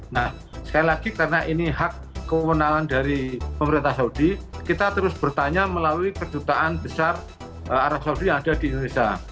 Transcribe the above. nah sekali lagi karena ini hak kewenangan dari pemerintah saudi kita terus bertanya melalui kedutaan besar arab saudi yang ada di indonesia